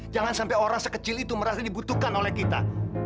jangan sampai orang sekecil itu merasa dibutuhkan oleh kita